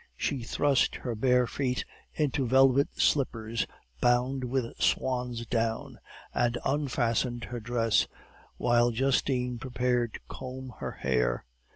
She thrust her bare feet into velvet slippers bound with swan's down, and unfastened her dress, while Justine prepared to comb her hair.